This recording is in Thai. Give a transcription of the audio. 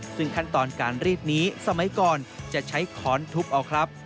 ซึ่งขั้นตอนการรีดนี้สมัยก่อนจะใช้ค้อนทุบเอาครับ